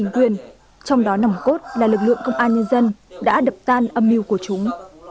trong đó nòng cốt là lực lượng công an nhân dân đã đập tan âm mưu của chúng